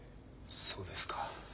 そうですか。